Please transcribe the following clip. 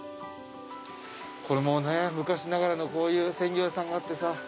これも昔ながらのこういう鮮魚屋さんがあってさ。